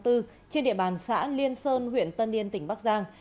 trên địa bàn xã liên sơn huyện tân yên tỉnh bắc giang